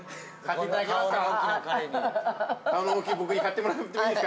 ◆僕に買ってもらってもいいですか。